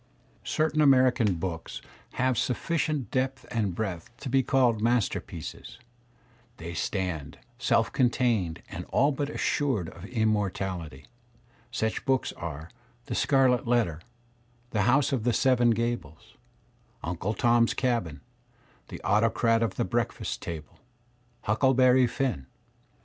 Certain American books have sufficient depth and breadth to be called masterpieces; they stand self contained and all but assured of immortality; such books are "The Scarlet Letter," "The House of the Seven Gables," "Uncle Tom's Cabin," "The Autocrat of the Breakfast Table," Huckle berry Finn."